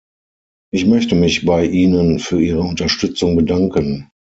Ich möchte mich bei Ihnen für Ihre Unterstützung bedanken.